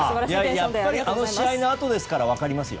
やっぱりあの試合のあとですから分かりますよ。